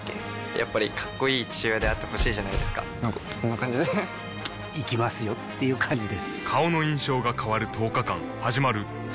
やっぱりかっこいい父親であってほしいじゃないですかなんかこんな感じで行きますよっていう感じです